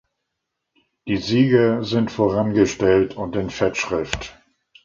Die Sieger sind vorangestellt und in Fettschrift.